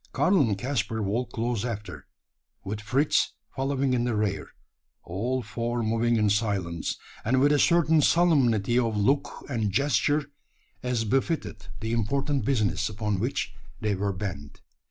Karl and Caspar walked close after, with Fritz following in the rear all four moving in silence, and with a certain solemnity of look and gesture as befitted the important business upon which they were bent.